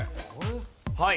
はい。